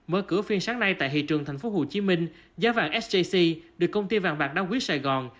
mở cửa phiên sáng nay tại thị trường tp hcm giá vàng sjc được công ty vàng bạc đa quý sài gòn